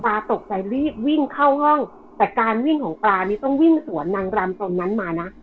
ตกใจรีบวิ่งเข้าห้องแต่การวิ่งของปลานี่ต้องวิ่งสวนนางรำตรงนั้นมานะ